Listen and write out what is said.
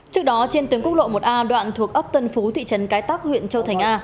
trước đó trên tuyến quốc lộ một a đoạn thuộc ấp tân phú thị trấn cái tắc huyện châu thành a